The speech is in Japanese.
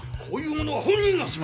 こういうものは本人が。